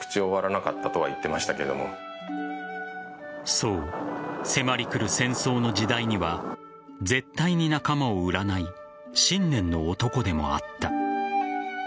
そう、迫り来る戦争の時代には絶対に仲間を売らない信念の男でもあった。